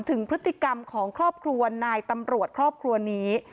ถึงพฤติกรรมของครอบครัวนายตำรวจครอบครัวนี้